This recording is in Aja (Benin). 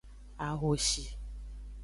Ahoshi.